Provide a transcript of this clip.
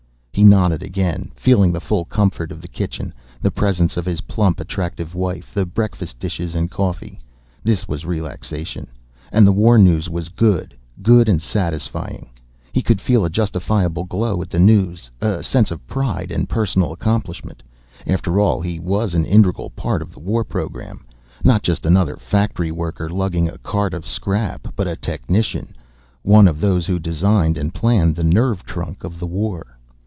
He nodded again, feeling the full comfort of the kitchen, the presence of his plump, attractive wife, the breakfast dishes and coffee. This was relaxation. And the war news was good, good and satisfying. He could feel a justifiable glow at the news, a sense of pride and personal accomplishment. After all, he was an integral part of the war program, not just another factory worker lugging a cart of scrap, but a technician, one of those who designed and planned the nerve trunk of the war.